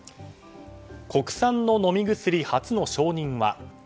国産の飲み薬、初の承認は。